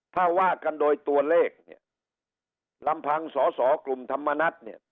ถ้าว่ากันโดยตัวเลขเนี่ยลำพังสอสอกลุ่มธรรมนัฐเนี่ย